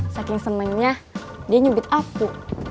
saking senangnya dia nyubit aku